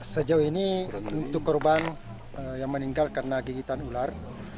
sejauh ini untuk korban yang meninggal karena gigitan ular